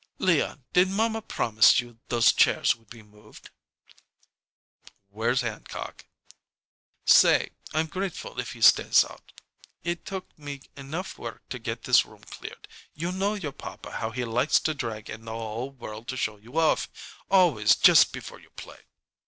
"Leon, did mamma promise you those chairs would be moved?" "Where's Hancock?" "Say I'm grateful if he stays out. It took me enough work to get this room cleared. You know your papa how he likes to drag in the whole world to show you off always just before you play.